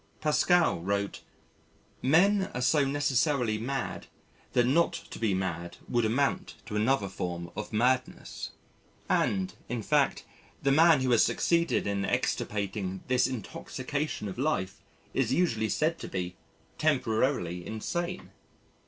Pascal wrote: "Men are so necessarily mad that not to be mad would amount to another form of madness." And, in fact, the man who has succeeded in extirpating this intoxication of life is usually said to be "temporarily insane."